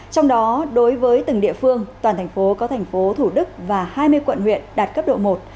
trong đó đối với từng địa phương toàn thành phố có thành phố thủ đức và hai mươi quận huyện đạt cấp độ một